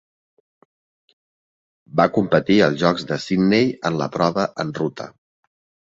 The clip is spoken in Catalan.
Va competir als Jocs de Sydney en la prova en ruta.